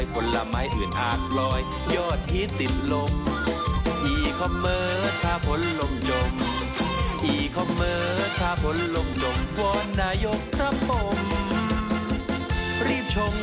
โปรดติดตามตอนต่อไป